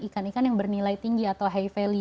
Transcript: ikan ikan yang bernilai tinggi atau high value